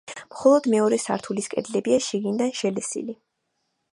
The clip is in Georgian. მხოლოდ მეორე სართულის კედლებია შიგნიდან შელესილი.